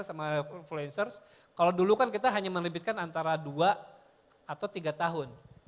sama influencers kalau dulu kan kita hanya menerbitkan antara dua atau tiga tahun